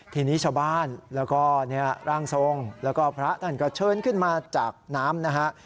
ทีนี้ชาวบ้านแล้วก็ร่างทรงแล้วก็พระท่านก็เชิญขึ้นมาจากน้ำนะฮะ